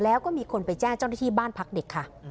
แล้วก็มีคนไปแจ้งเจ้าหน้าที่บ้านพักเด็กค่ะ